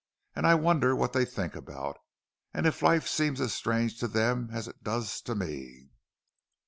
And I wonder what they think about, and if life seems as strange to them as it does to me."